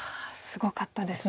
すごかったです。